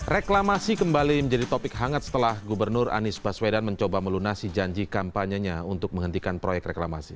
reklamasi kembali menjadi topik hangat setelah gubernur anies baswedan mencoba melunasi janji kampanyenya untuk menghentikan proyek reklamasi